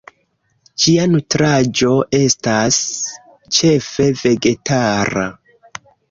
Ĝia nutraĵo estas ĉefe vegetara.